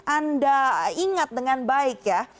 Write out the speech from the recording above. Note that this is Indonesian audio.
anda ingat dengan baik ya